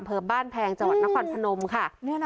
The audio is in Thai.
เปิดบ้านแพงจำวัดนครพนมค่ะ